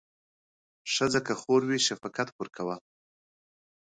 ښځه که خور وي شفقت پرې کوه.